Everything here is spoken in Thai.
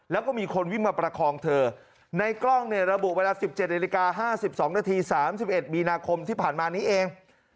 แล้วก็มีคนวิ่งมาประคองเธอในกล้องเนี่ยระบุเวลาสิบเจ็ดนาฬิกาห้าสิบสองนาทีสามสิบเอ็ดมีนาคมที่ผ่านมานี้เอง